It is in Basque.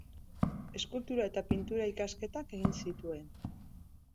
Eskultura eta Pintura ikasketak egin zituen.